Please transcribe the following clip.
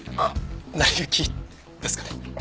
成り行きですかね。